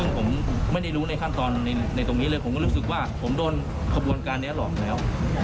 ซึ่งผมไม่ได้รู้ในขั้นตอนในตรงนี้เลยผมก็รู้สึกว่าผมโดนขบวนการนี้หลอกแล้ว